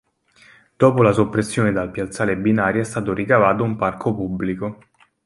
Dopo la soppressione dal piazzale binari è stato ricavato un parco pubblico.